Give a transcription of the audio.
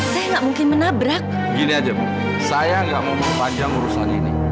saya gak mau memanjang urusan ini